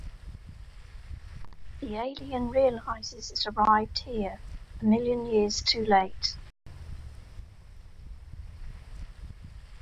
The alien realises it arrived here "a million years too late".